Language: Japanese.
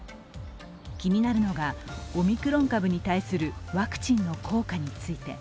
気になるのがオミクロン株に対するワクチンの効果について。